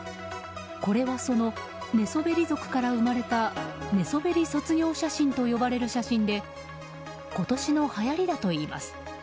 これは、その寝そべり族から生まれた、寝そべり卒業写真と呼ばれる写真で今年の、はやりだといいます。